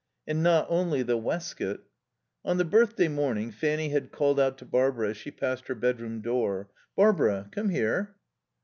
And not only the waistcoat On the birthday morning Fanny had called out to Barbara as she passed her bedroom door: "Barbara, come here."